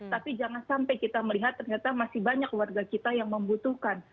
tapi jangan sampai kita melihat ternyata masih banyak warga kita yang membutuhkan